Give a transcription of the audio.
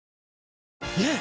ねえ‼